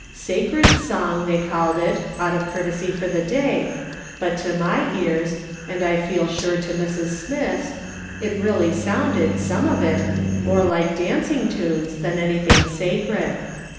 " Sacred song," they called it, out of courtesy for the day, but to my ears, and I feel sure to Mrs. Smith's, it really sounded, some of it, more like dancing tunes than anything sacred.